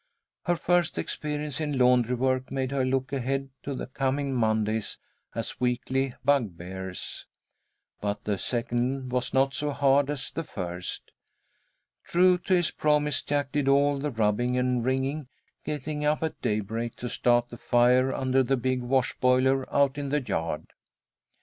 Her first experience in laundry work made her look ahead to the coming Mondays as weekly bugbears. But the second was not so hard as the first. True to his promise, Jack did all the rubbing and wringing, getting up at daybreak to start the fire under the big wash boiler out in the yard.